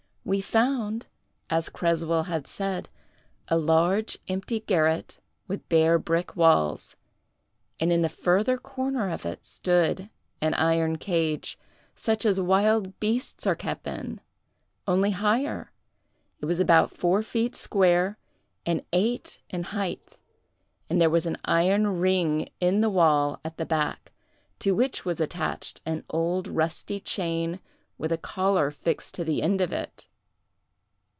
We found, as Creswell had said, a large empty garret with bare brick walls; and in the further corner of it stood an iron cage, such as wild beasts are kept in, only higher; it was about four feet square, and eight in height, and there was an iron ring in the wall at the back, to which was attached an old rusty chain with a collar fixed to the end of it.